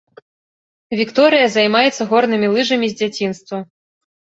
Вікторыя займаецца горнымі лыжамі з дзяцінства.